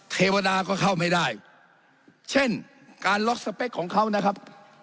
เทวดาก็เข้าไม่ได้เช่นการล็อกสเปคของเขานะครับ